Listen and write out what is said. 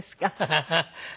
ハハハ。